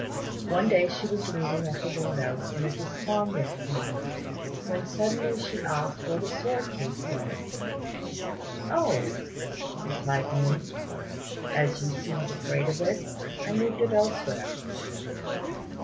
One day she was leaning at the window in a despondent mood, when suddenly she asked where the sword case was. "Oh," replied Ning, "as you seemed afraid of it, I moved it elsewhere."